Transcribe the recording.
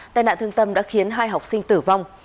tai nạn thương tâm đã khiến hai học sinh tử vong